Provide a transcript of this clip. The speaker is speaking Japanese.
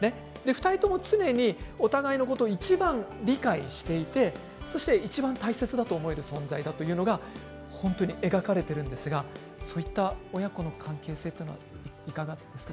２人とも常にお互いのことをいちばん理解していてそして、いちばん大切だと思える存在だというのが本当に描かれているんですがそういった親子の関係性っていうのは、いかがですか？